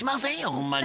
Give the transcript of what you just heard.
ほんまに。